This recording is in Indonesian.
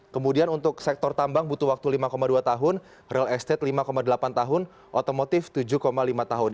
kemudian untuk sektor tambang butuh waktu lima dua tahun real estate lima delapan tahun otomotif tujuh lima tahun